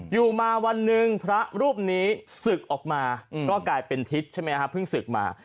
อยู่มาวันหนึ่งพระรูปนี้ศึกออกมาก็กลายเป็นทิศใช่ไหมฮะเพิ่งศึกมา